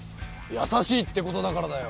優しいってことだからだよ！